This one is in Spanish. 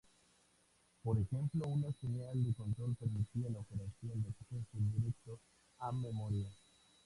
Por ejemplo una señal de control permitía la operación de acceso directo a memoria.